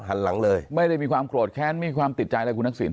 หันหลังเลยไม่ได้มีความโกรธแค้นมีความติดใจอะไรคุณทักษิณ